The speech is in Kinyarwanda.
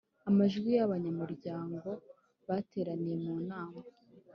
amajwi y abanyamuryango bateraniye mu nama